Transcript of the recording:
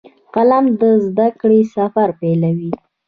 قلم د زده کړې سفر پیلوي